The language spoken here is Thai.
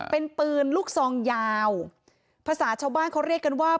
เป็นปืนลูกซองยาวภาษาชาวบ้านเขาเรียกกันว่า